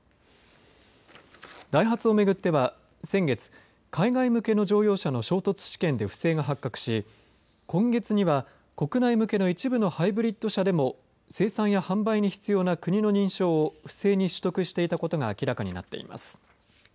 ダイハツを巡っては先月海外向けの乗用車の衝突試験で不正が発覚し今月には国内向けの一部のハイブリット車でも生産や販売に必要な国の認証を不正に取得していたことが明らかになっています。